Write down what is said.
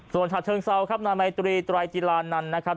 ส่วนฉัดเชิงเศร้าครับนามัยตุรีตรายจิลานันต์นะครับ